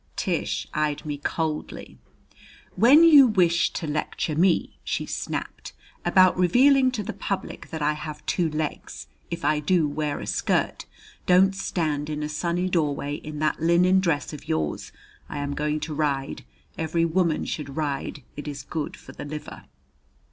Tish eyed me coldly. "When you wish to lecture me," she snapped, "about revealing to the public that I have two legs, if I do wear a skirt, don't stand in a sunny doorway in that linen dress of yours. I am going to ride; every woman should ride. It's good for the liver."